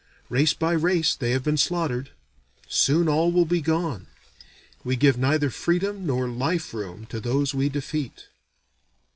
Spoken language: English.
Race by race they have been slaughtered. Soon all will be gone. We give neither freedom nor life room to those we defeat.